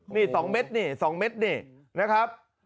นี่๒เม็ดนี่๒เม็ดนี่นะครับ